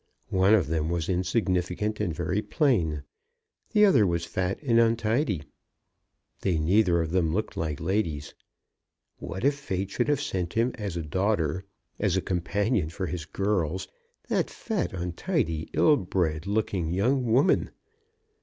One of them was insignificant and very plain. The other was fat and untidy. They neither of them looked like ladies. What if fate should have sent to him as a daughter, as a companion for his girls, that fat, untidy, ill bred looking young woman!